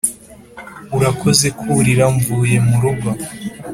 urakoze kurira mvuye murugo,